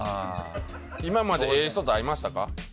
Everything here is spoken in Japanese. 今までええ人と会いましたか？